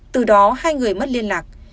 từ đó hai người mất liên lạc